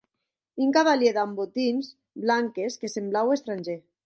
Un cavalièr damb botines blanques que semblaue estrangèr.